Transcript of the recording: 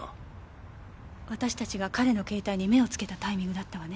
私たちが彼の携帯に目を付けたタイミングだったわね。